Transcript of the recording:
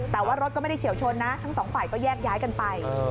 แต่ว่ารถก็ไม่ได้เฉียวชนนะทั้งสองฝ่ายก็แยกย้ายกันไป